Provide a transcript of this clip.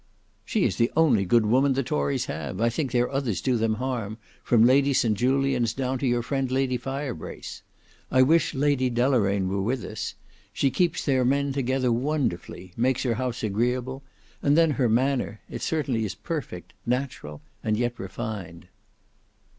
"She is the only good woman the tories have: I think their others do them harm, from Lady St Julians down to your friend Lady Firebrace. I wish Lady Deloraine were with us. She keeps their men together wonderfully; makes her house agreeable; and then her manner—it certainly is perfect; natural, and yet refined."